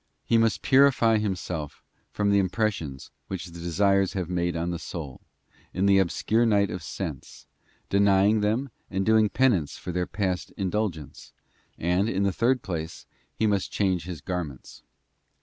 He must purify himself from the impressions which the desires have made on the soul, in the obscure night of sense, denying them and doing penance for their past indulgence, and, in the third place, he must change his garments.